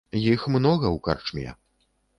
Іх многа ў карчме.